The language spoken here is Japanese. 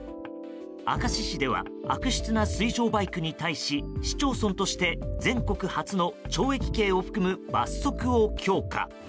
明石市では悪質な水上バイクに対し市町村として全国初の懲役刑を含む罰則を強化。